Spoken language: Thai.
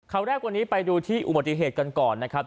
แรกวันนี้ไปดูที่อุบัติเหตุกันก่อนนะครับ